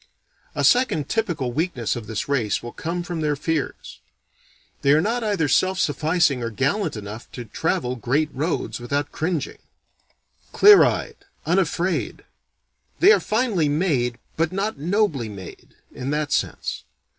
A second typical weakness of this race will come from their fears. They are not either self sufficing or gallant enough to travel great roads without cringing, clear eyed, unafraid. They are finely made, but not nobly made, in that sense.